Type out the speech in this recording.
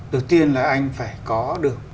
đầu tiên là anh phải có được